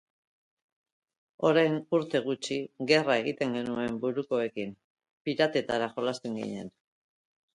Orain urte gutxi, gerra egiten genuen burukoekin, piratetara jolasten ginen.